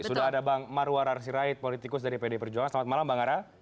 sudah ada bang marwar arsirait politikus dari pd perjuangan selamat malam bang ara